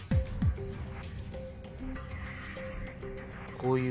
こういう。